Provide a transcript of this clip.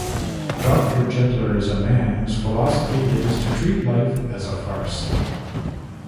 Doctor Jeddler is a man whose philosophy is to treat life as a farce.